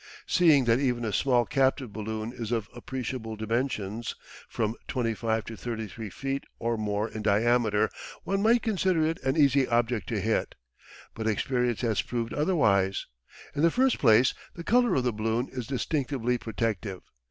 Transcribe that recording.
Seeing that even a small captive balloon is of appreciable dimensions from 25 to 33 feet or more in diameter one might consider it an easy object to hit. But experience has proved otherwise. In the first place the colour of the balloon is distinctly protective.